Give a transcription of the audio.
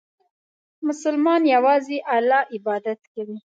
مسلمان یوازې الله عبادت کوي.